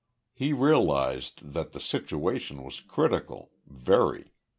He realised that the situation was critical very.